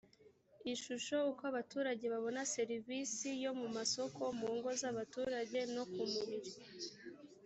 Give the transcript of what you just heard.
ishusho uko abaturage babona serivisi yo mu masoko mu ngo z abaturage no ku mubiri